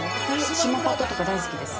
しまパトとか大好きです。